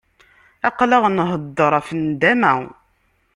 Aql-aɣ nhedder ɣef nndama.